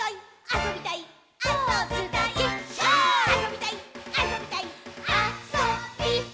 あそびたいっ！！」